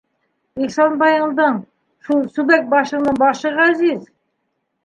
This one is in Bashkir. Ихсанбайыңдың... шул сүбәк башыңдың башы ғәзиз.